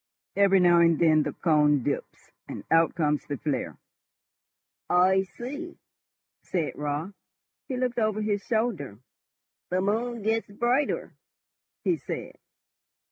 Every now and then the cone dips, and out comes the flare." "I see," said Raut. He looked over his shoulder. "The moon gets brighter," he said.